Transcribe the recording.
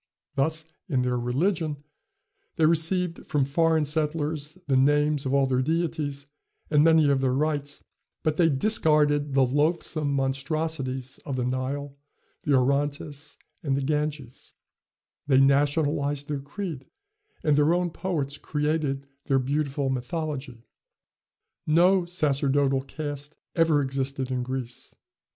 Thus, in their religion, they received from foreign settlers the names of all their deities and many of their rites, but they discarded the loathsome monstrosities of the Nile, the Orontes, and the Ganges; they nationalized their creed, and their own poets created their beautiful mythology. No sacerdotal caste ever existed in Greece.